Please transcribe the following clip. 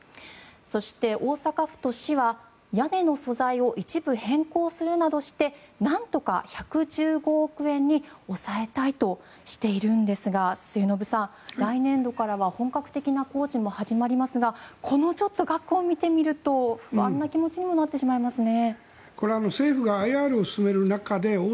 そして、大阪府と市は屋根の素材を一部変更するなどしてなんとか１１５億円に抑えたいとしているんですが末延さん、来年度からは本格的な工事も始まりますがこの額を見てみると不安な気持ちにもなってしまいますね。